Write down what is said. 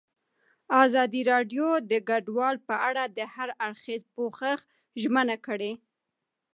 ازادي راډیو د کډوال په اړه د هر اړخیز پوښښ ژمنه کړې.